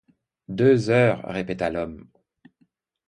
Deux heures, répéta l’homme.